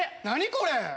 何これ。